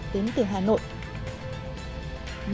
đến từ hà nội